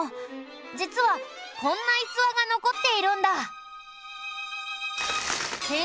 実はこんな逸話が残っているんだ！